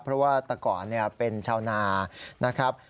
เพราะว่าแต่ก่อนเป็นชาวนานะครับ